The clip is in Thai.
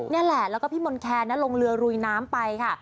นี่แหละแล้วก็พี่มนต์แคนลงเรือลุยน้ำไปค่ะ